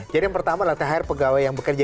jadi yang pertama adalah thr pegawai yang bekerja